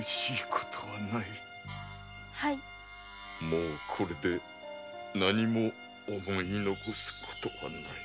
もうこれで何も思い残すことはない。